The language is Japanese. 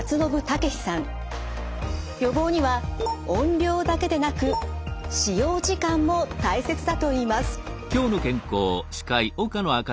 予防には音量だけでなく使用時間も大切だといいます。